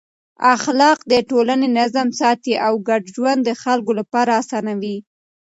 اخلاق د ټولنې نظم ساتي او ګډ ژوند د خلکو لپاره اسانوي.